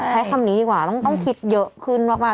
ใช้คำนี้ดีกว่าต้องคิดเยอะขึ้นมาก